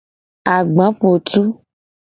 Agbapotu.